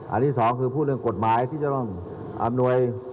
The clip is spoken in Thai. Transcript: ที่สองคือพูดเรื่องกฎหมายที่จะต้องอำนวย